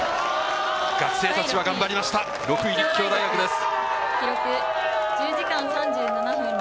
学生たちは頑張りました、６位、立教大学です。